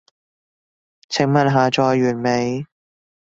請問下載完未？